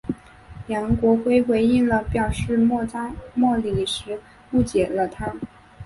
梁国辉回应时表示莫礼时误解了他。